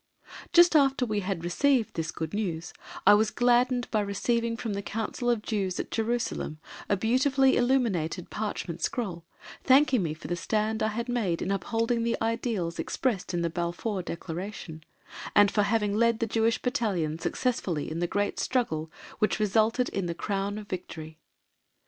Just after we had received this good news, I was gladdened by receiving from the Council of Jews at Jerusalem a beautifully illuminated parchment scroll, thanking me for the stand I had made in upholding the ideals expressed in the Balfour Declaration, and for having led the Jewish Battalions successfully in the great struggle which resulted in the "Crown of Victory."